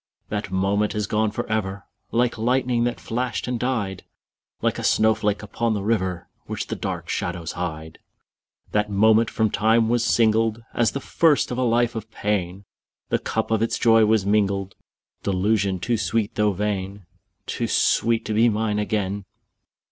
_5 2. That moment is gone for ever, Like lightning that flashed and died Like a snowflake upon the river Like a sunbeam upon the tide, Which the dark shadows hide. _10 3. That moment from time was singled As the first of a life of pain; The cup of its joy was mingled Delusion too sweet though vain! Too sweet to be mine again.